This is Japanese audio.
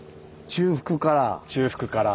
中腹から。